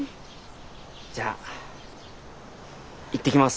じゃあ行ってきます。